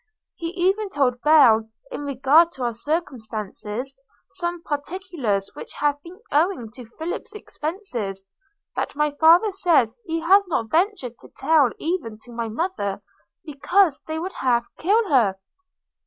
He even told Belle, in regard to our circumstances, some particulars which have been owing to Philip's expences, that my father says he has not ventured to tell even to my mother, because they would half kill her.